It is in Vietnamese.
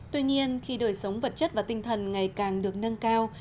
tuy nhiên khi đời sống vật chất và tinh thần ngày càng được nâng cao